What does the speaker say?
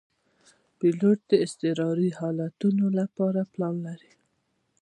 پیلوټ د اضطراري حالتونو لپاره پلان لري.